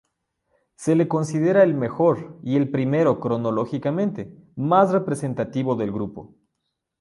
Se le considera el mejor y el primero cronológicamente, más representativo del Grupo.